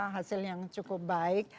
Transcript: hasil yang cukup baik